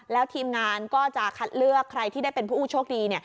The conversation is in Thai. แล้วทีมงานก็จะคัดเลือกใครที่ได้เป็นผู้โชคดี